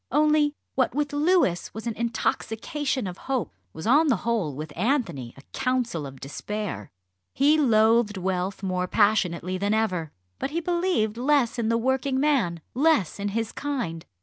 Only what with Louis was an intoxication of hope, was on the whole with Anthony a counsel of despair. He loathed wealth more passionately than ever; but he believed less in the working man, less in his kind.